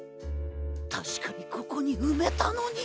たしかにここにうめたのに。